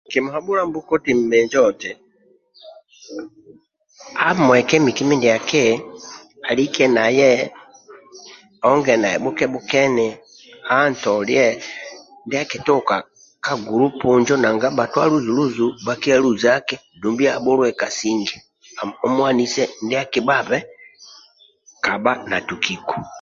Nkimuhabura nbhokoti minjo nti amweke miki midiaki alike naye ahoge naye bhuke bhukeni atolie ndia kituka ka gulupu njo nanga bhatwa luzu luzu bha kia luzaki dubhi ye abhuluwe kasinge omuhanise ndia kibhaga nakibhabhe kabha nantukiku